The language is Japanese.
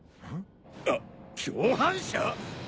あっ共犯者⁉